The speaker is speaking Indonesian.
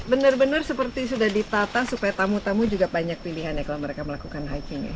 benar benar seperti sudah ditata supaya tamu tamu juga banyak pilihan ya kalau mereka melakukan hiking ya